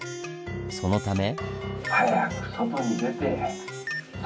そのため。